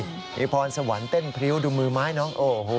มีพรสวรรค์เต้นพริ้วดูมือไม้น้องโอ้โห